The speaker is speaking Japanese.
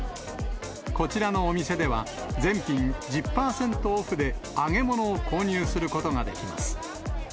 こちらのお店では、全品１０％オフで、揚げ物を購入することができます。